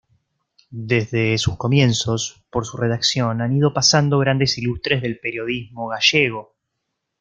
Desde sus comienzos, por su redacción han ido pasando grandes ilustres del periodismo gallego.